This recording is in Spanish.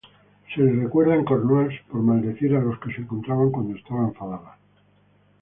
Es recordada en Cornualles por maldecir a los que se encontraba cuando estaba enfadada.